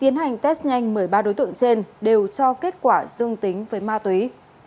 nhanh một mươi ba đối tượng trên đều cho kết quả dương tính với ma túy